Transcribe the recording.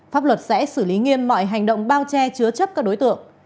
pháp luật sẽ xử lý nghiêm mọi hành động bao che chứa chấp các đối tượng